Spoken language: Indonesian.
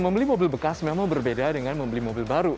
membeli mobil bekas memang berbeda dengan membeli mobil baru